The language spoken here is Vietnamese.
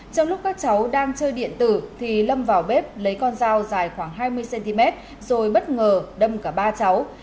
trong lúc các cháu đang chơi điện tử thì lâm vào bếp lấy con dao dài khoảng hai mươi cm rồi bất ngờ đâm cả ba cháu